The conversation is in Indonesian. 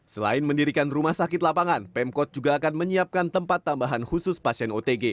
selain mendirikan rumah sakit lapangan pemkot juga akan menyiapkan tempat tambahan khusus pasien otg